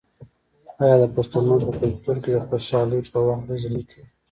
آیا د پښتنو په کلتور کې د خوشحالۍ په وخت ډزې نه کیږي؟